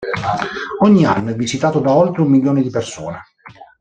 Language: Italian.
Ogni anno è visitato da oltre un milione di persone.